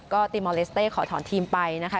ก็ตีมอลเลสเต้ขอถอนทีมไปนะคะ